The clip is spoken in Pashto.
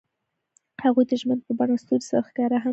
هغوی د ژمنې په بڼه ستوري سره ښکاره هم کړه.